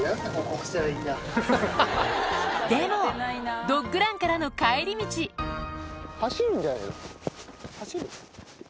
でもドッグランからの帰り道走る？